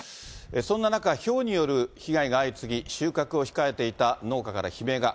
そんな中、ひょうによる被害が相次ぎ、収穫を控えていた農家から悲鳴が。